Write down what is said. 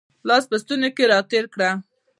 لاس په لستوڼي کې را تېر کړه